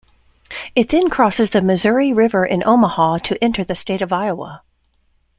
It then crosses the Missouri River in Omaha to enter the state of Iowa.